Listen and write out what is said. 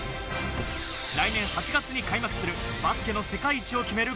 来年８月に開幕する、バスケの世界一を決める